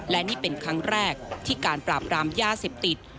และนี่เป็นครั้งแรกที่การปราบรามยาเสพติด